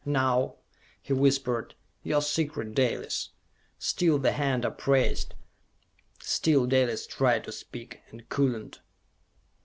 "Now," he whispered, "your secret, Dalis!" Still the hand upraised, still Dalis tried to speak, and could not.